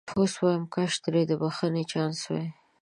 اوس وایم کاش ترې د بخښنې چانس وای.